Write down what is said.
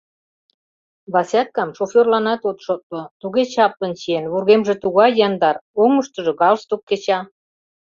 Васяткам шоферланат от шотло: туге чаплын чиен, вургемже тугай яндар, оҥыштыжо галстук кеча.